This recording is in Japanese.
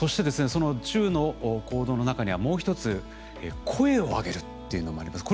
その１０の行動の中にはもう一つ「声を上げる」っていうのもあります。